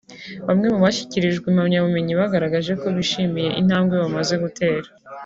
Bamwe mu bashyikirijwe impamyabumenyi bagaragaje ko bishimiye intambwe bamaze gutera